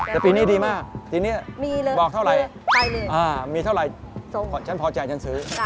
แต่ปีนี้ดีมากทีนี้บอกเท่าไหร่มีเท่าไหร่ฉันพอใจฉันซื้อ